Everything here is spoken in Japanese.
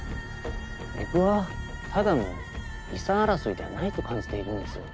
僕はただの遺産争いではないと感じているんですよ。